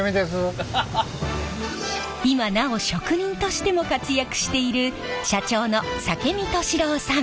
今なお職人としても活躍している社長の酒見俊郎さん。